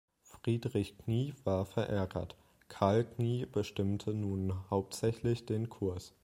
Friedrich Knie war verärgert; Karl Knie bestimmte nun hauptsächlich den Kurs.